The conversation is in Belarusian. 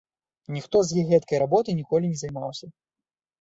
Ніхто з іх гэткай работай ніколі не займаўся.